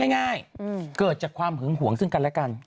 ง่ายเกิดจากความหึงห่วงซึ่งกันและกัน